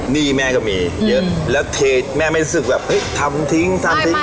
หนี้แม่ก็มีเยอะแล้วเทแม่ไม่รู้สึกแบบเฮ้ยทำทิ้งทำทิ้ง